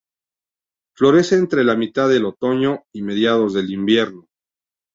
Florece entre la mitad del otoño y mediados del invierno.